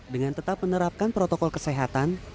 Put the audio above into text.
dengan tetap menerapkan protokol kesehatan